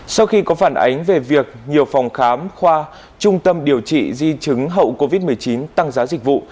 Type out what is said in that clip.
sau khi có phản ánh về việc nhiều phòng khám khoa trung tâm điều trị di chứng hậu covid một mươi chín tăng giá dịch vụ